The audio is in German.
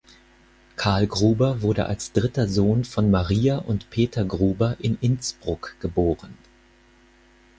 Karl Gruber wurde als dritter Sohn von Maria und Peter Gruber in Innsbruck geboren.